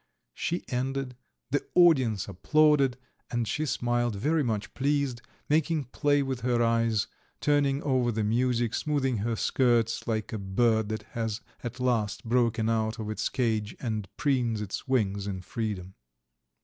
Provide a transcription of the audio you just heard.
She ended, the audience applauded, and she smiled, very much pleased, making play with her eyes, turning over the music, smoothing her skirts, like a bird that has at last broken out of its cage and preens its wings in freedom.